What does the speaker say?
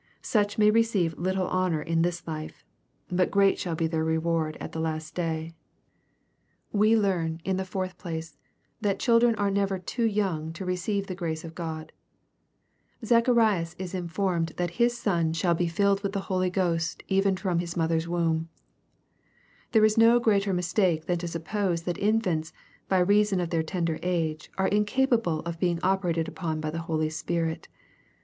Such may receive little honor in this life. But great shall be their reward at the last day. LUKE, CHAP. I. 15 We learn, in the fourth place, that children are never too young to receive the grace of God, Zacharias is informed that his son " shall be filled with the Holy Ghost, even from his mother's womb/' There is no greater mistake than to suppose that Infants, by reason of their tender age, are incapable of being operated upon by the Holy Spirit.